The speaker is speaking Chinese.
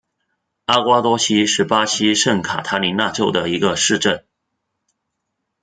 阿瓜多西是巴西圣卡塔琳娜州的一个市镇。